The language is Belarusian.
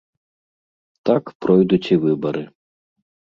Так пройдуць і выбары.